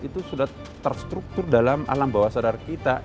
itu sudah terstruktur dalam alam bawah sadar kita